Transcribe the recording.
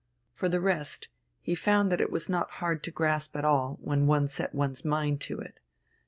For the rest, he found that it was not hard to grasp it all, when one set one's mind to it.